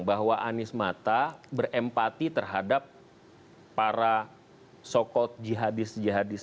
bahwa anies mata berempati terhadap para so called jihadis jihadis